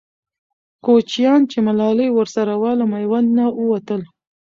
کوچیان چې ملالۍ ورسره وه، له میوند نه ووتل.